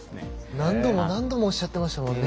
何度も何度もおっしゃっていましたもんね。